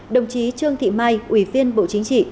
đồng chí trương thị mai ủy viên bộ chính trị